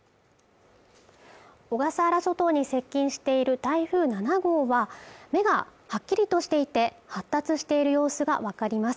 小笠原諸島に接近している台風７号は目がはっきりとしていて発達している様子が分かります